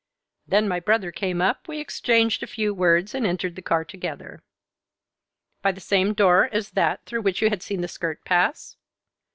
Then my brother came up, we exchanged a few words, and entered the car together." "By the same door as that through which you had seen the skirt pass?"